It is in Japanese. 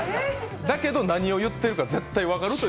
だけど何を言ってるかしっかり分かると。